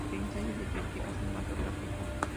Ensayo de crítica cinematográfica